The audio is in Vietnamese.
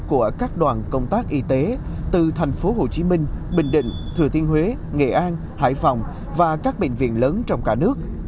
của các đoàn công tác y tế từ tp hồ chí minh bình định thừa tiên huế nghệ an hải phòng và các bệnh viện lớn trong cả nước